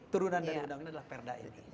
turunan dari undang undang adalah perda ini